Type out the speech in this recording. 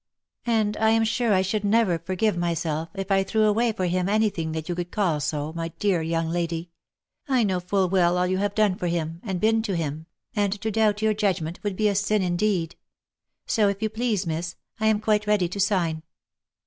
" And I am sure I should never forgive myself if I threw away for him any thing that you could call so, my dear young lady, — I know full well all you have done for him, and been to him, and to doubt your judgment, would be a sin indeed. So if you please, miss, I am quite ready to sign."